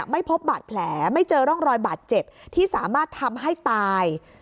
ไม่พบบาดแผลไม่เจอร่องรอยบาดเจ็บที่สามารถทำให้ตาย